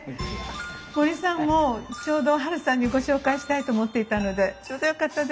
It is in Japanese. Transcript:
森さんもちょうどハルさんにご紹介したいと思っていたのでちょうどよかったです。